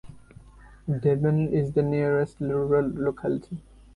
Deben is the nearest rural locality.